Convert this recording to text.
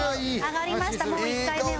揚がりましたもう１回目は。